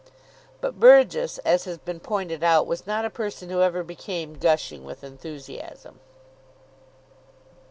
But Burgess, as has been pointed out, was not a person who ever became gushing with enthusiasm.